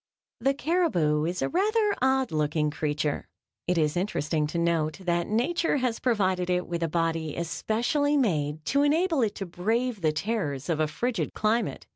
The caribou is a rather odd looking creature. It is interesting to note that Nature has provided it with a body especially made to enable it to brave the terrors of a frigid climate.